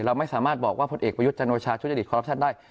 เราไม่สามารถบอกว่าผลเอกประยุทธ์จันโอชาทุจริตคอรัปชั่นได้